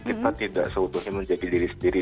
kita tidak seutuhnya menjadi diri sendiri